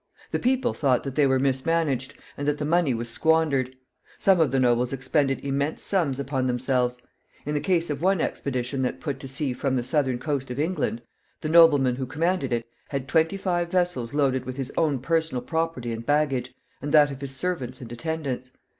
The people thought that they were mismanaged, and that the money was squandered. Some of the nobles expended immense sums upon themselves. In the case of one expedition that put to sea from the southern coast of England, the nobleman who commanded it had twenty five vessels loaded with his own personal property and baggage, and that of his servants and attendants.